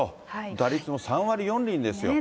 打率も３割４厘ですよ。